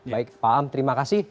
baik pak am terima kasih